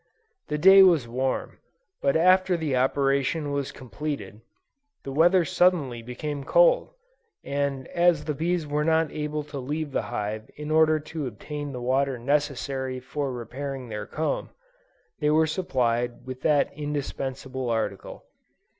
The day was warm, but after the operation was completed, the weather suddenly became cold, and as the bees were not able to leave the hive in order to obtain the water necessary for repairing their comb, they were supplied with that indispensable article.